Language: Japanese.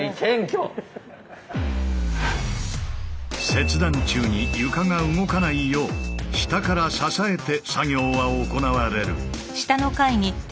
切断中に床が動かないよう下から支えて作業は行われる。